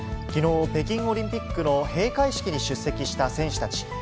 きのう、北京オリンピックの閉会式に出席した選手たち。